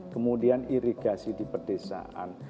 kemudian irigasi di perdesaan